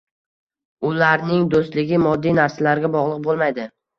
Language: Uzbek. Ularning do‘stligi moddiy narsalarga bog‘liq bo‘lmaydi.